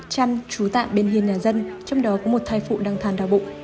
chăn trú tạm bên hiên nhà dân trong đó có một thai phụ đang than đau bụng